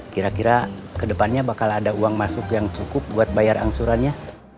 kira kira kedepannya bakal ada uang masuk yang cukup buat bayar angsurannya